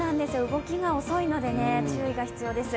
動きが遅いので注意が必要です。